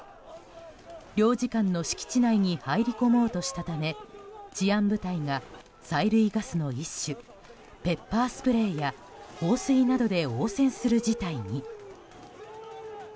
領事館の敷地内に入り込もうとしたため治安部隊が催涙ガスの一種ペッパースプレーや放水などで応戦する事態に。